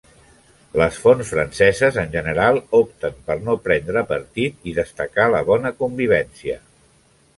Les fonts franceses en general opten per no prendre partit i destacar la bona convivència.